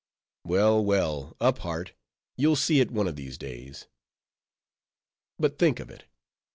Well, well, up heart, you'll see it one of these days. But think of it!